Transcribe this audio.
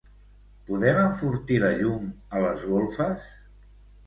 Podem enfortir la llum a les golfes?